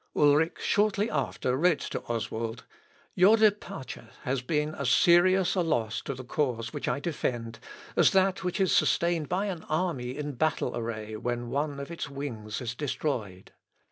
Ulric shortly after wrote to Oswald, "Your departure has been as serious a loss to the cause which I defend, as that which is sustained by an army in battle array when one of its wings is destroyed.